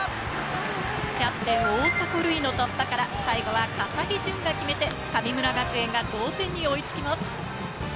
キャプテン・大迫塁の突破から最後は笠置潤が決めて、神村学園が同点に追いつきます。